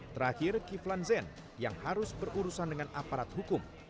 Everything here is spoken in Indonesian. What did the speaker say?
terakhir kiflan zen yang harus berurusan dengan aparat hukum